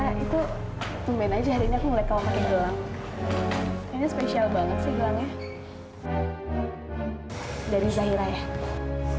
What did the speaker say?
dari zahira ya